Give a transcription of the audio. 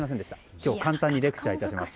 今日、簡単にレクチャーいたします。